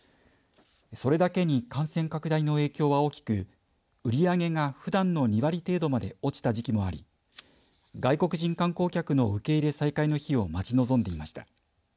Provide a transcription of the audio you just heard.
それだけに感染拡大の影響は大きく売り上げがふだんの２割程度まで落ちた時期もあり外国人観光客の受け入れ再開の日を待ち望んでいました。